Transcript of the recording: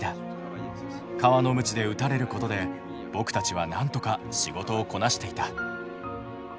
革のむちで打たれることで僕たちはなんとか仕事をこなしていた」。